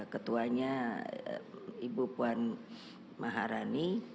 ketuanya ibu puan maharani